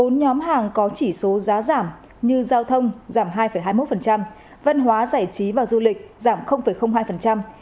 bốn nhóm hàng có chỉ số giá giảm như giao thông giảm hai hai mươi một văn hóa giải trí và du lịch giảm hai